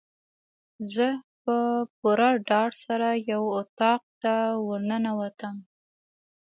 زه په پوره ډاډ سره یو اطاق ته ورننوتم.